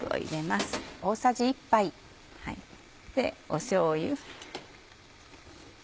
しょうゆ。